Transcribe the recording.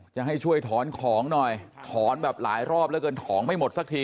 จะให้ช่วยถอนของหน่อยถอนแบบหลายรอบแล้วเกินของไม่หมดสักที